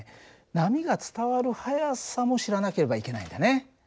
波が伝わる速さも知らなければいけないんだね。